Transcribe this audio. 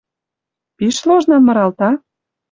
Пиш ложнан мыралта?